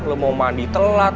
lo mau mandi telat